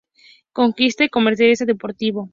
Cronista y comentarista deportivo.